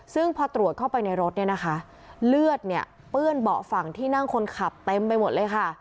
ซึ่งพอตรวจเข้าไปในรถเนี่ยนะคะเลือดเนี่ยเปื้อนเบาะฝั่งที่นั่งคนขับเต็มไปหมดเลยค่ะ